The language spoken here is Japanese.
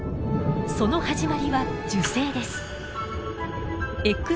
その始まりは受精です。